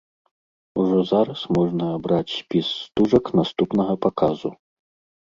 Ужо зараз можна абраць спіс стужак наступнага паказу.